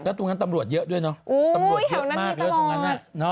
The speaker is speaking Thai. แล้วตรงนั้นตำรวจเยอะด้วยเนอะตำรวจเยอะมากเยอะตรงนั้น